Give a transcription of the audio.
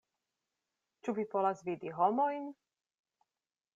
Ĉu vi volas vidi homojn?